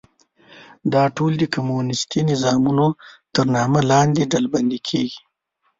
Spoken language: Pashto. دا ټول د کمونیستي نظامونو تر نامه لاندې ډلبندي کېږي.